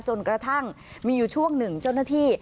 จนกระทั่งมีอยู่ช่วง๑จนที่